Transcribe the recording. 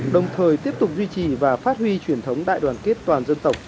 đồng thời tiếp tục duy trì và phát huy truyền thống đại đoàn kết toàn dân tộc